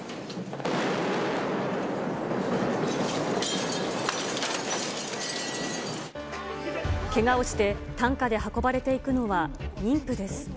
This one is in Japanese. けがをして担架で運ばれていくのは妊婦です。